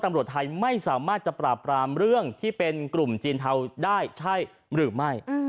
ตำรวจไทยไม่สามารถจะปราบปรามเรื่องที่เป็นกลุ่มจีนเทาได้ใช่หรือไม่